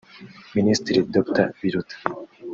Minisitiri Dr Biruta